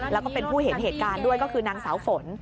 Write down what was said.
แล้วก็เป็นผู้เห็นเหตุการณ์ด้วยก็คือนางสาวฝน